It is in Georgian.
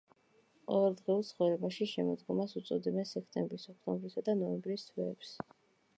ყოველდღიურ ცხოვრებაში შემოდგომას უწოდებენ სექტემბრის, ოქტომბრისა და ნოემბრის თვეებს.